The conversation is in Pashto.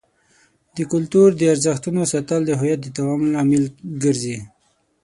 د کلتور د ارزښتونو ساتل د هویت د تداوم لامل ګرځي.